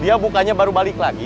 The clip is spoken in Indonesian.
dia mukanya baru balik lagi